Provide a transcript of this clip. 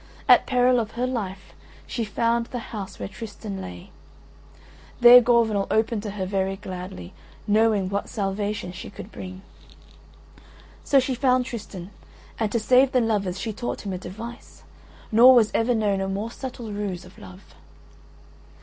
At peril of her life she found the house where Tristan lay. There Gorvenal opened to her very gladly, knowing what salvation she could bring. So she found Tristan, and to save the lovers she taught him a device, nor was ever known a more subtle ruse of love.